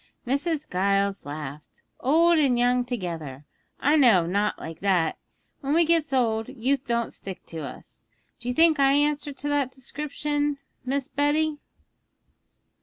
Mrs. Giles laughed. 'Old and young together! I know of nought like that; when we gets old, youth don't stick to us. Do you think I answer to that description, Miss Betty?'